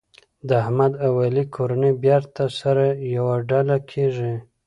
د احمد او علي کورنۍ بېرته سره یوه ډله کېږي.